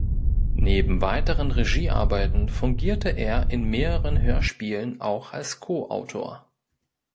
Neben weiteren Regiearbeiten fungierte er in mehreren Hörspielen auch als Koautor.